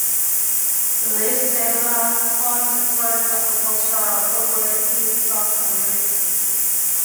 These settlers formed the first agricultural cooperative in South America.